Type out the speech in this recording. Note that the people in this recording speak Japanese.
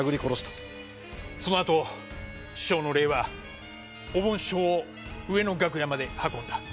そのあと師匠の霊はおぼん師匠を上の楽屋まで運んだ。